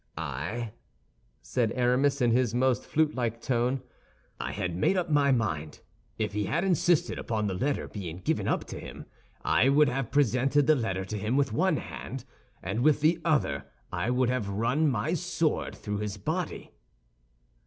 "I," said Aramis, in his most flutelike tone, "I had made up my mind. If he had insisted upon the letter being given up to him, I would have presented the letter to him with one hand, and with the other I would have run my sword through his body."